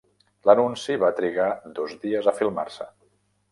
L'anunci va trigar dos dies a filmar-se.